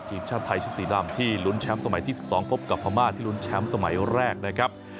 ทีมชาติไทยชุดสีดำที่ลุ้นแชมป์สมัยที่๑๒พบกับพม่าที่ลุ้นแชมป์สมัยแรกนะครับ